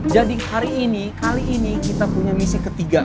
jadi hari ini kali ini kita punya misi ketiga